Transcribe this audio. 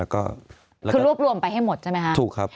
ก็คือรวบรวมไปให้หมดใช่ไหมคะถูกครับ